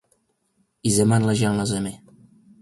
I zeman ležel na mezi.